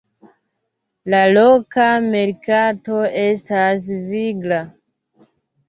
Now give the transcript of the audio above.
La loka merkato estas vigla.